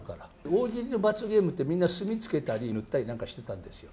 大喜利の罰ゲームって、みんな墨つけたり、塗ったりなんかしてたんですよ。